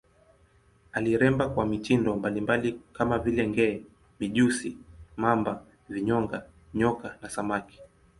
Aliremba kwa mitindo mbalimbali kama vile nge, mijusi, mamba, vinyonga, nyoka na samaki.